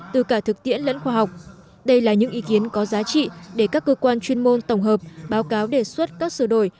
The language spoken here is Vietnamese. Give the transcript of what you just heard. từ cả thực tiễn lẫn khoa học đây là những ý kiến có giá trị để các cơ quan chuyên môn tổng hợp báo cáo đề xuất các sửa đổi